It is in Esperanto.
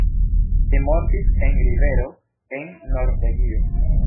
Li mortis en rivero en Norvegio.